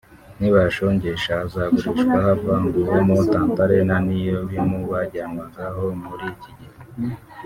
nibayashongesha azagurishwa havanguwemo tantale na niyobimu byajyanwagaho muri iki gihe